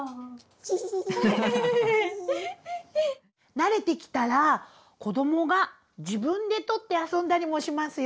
慣れてきたら子どもが自分でとって遊んだりもしますよ！